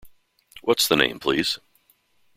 What's the name, please?